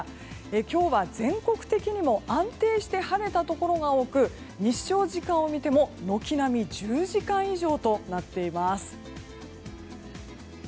今日は全国的にも安定して晴れたところが多く日照時間を見ても軒並み１０時間以上となっています。